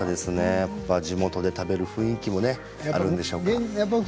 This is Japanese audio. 地元で食べる雰囲気があるんでしょうか。